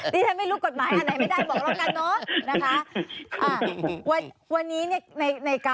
ที่ฉันไม่รู้กฎหมายอันไหนไม่ได้บอกแล้วกันเนอะนะคะ